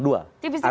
tipis tipis juga ya